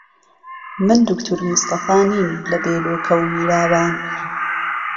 من دوکتور موستهفا نیم له بێلۆکه و میراوان